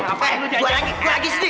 kenapa lu jajak